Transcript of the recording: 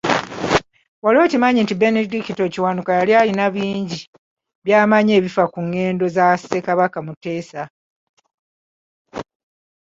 Wali okimanyi nti Benedicto Kiwanuka yalina bingi byamanyi ebifa ku ngendo za Ssekabaka Muteesa